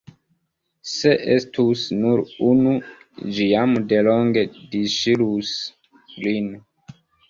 Se estus nur unu, ĝi jam delonge disŝirus lin.